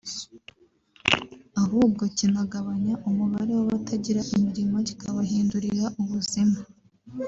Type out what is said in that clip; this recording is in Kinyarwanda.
ahubwo kinagabanya umubare w’abatagira imirimo kikabahindurira ubuzima